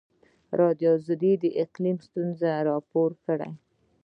ازادي راډیو د اقلیم ستونزې راپور کړي.